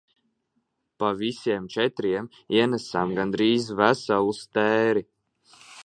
Pa visiem četriem ienesām gandrīz veselu stēri.